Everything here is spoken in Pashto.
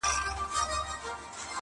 هغوی دواړه په سلا کي سرګردان سول!